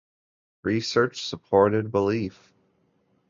Research supported belief.